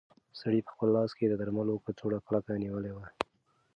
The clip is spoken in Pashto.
سړي په خپل لاس کې د درملو کڅوړه کلکه نیولې وه.